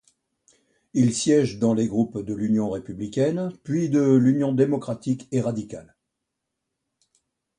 Il siège dans les groupes de l'Union républicaine, puis de l'Union démocratique et radicale.